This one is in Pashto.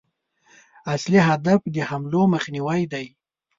اصلي هدف د حملو مخنیوی دی.